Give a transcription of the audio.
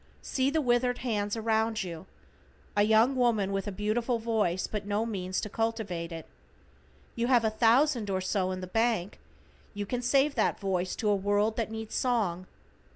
See the withered hands around you. A young woman with a beautiful voice, but no means to cultivate it. You have a thousand or so in the bank? You can save that voice to a world that needs song.